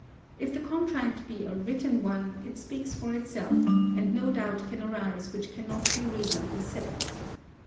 If the contract be a written one, it speaks for itself, and no doubt can arise which cannot be reasonably settled.